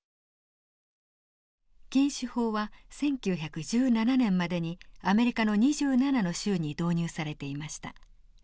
禁酒法は１９１７年までにアメリカの２７の州に導入されていました。